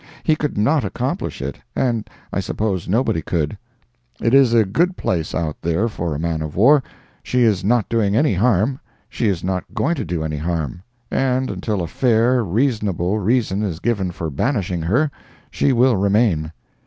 He could not accomplish it and I suppose nobody could. It is a good place out there for a man of war; she is not doing any harm; she is not going to do any harm; and until a fair, reasonable reason is given for banishing her, she will remain.